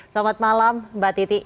selamat malam mbak titi